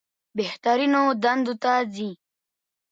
بهترینو دندو ته ځي.